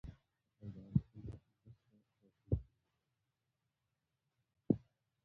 او د عامو خلکو په مرسته راټول کړي .